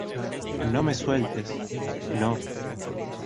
no me sueltes. no .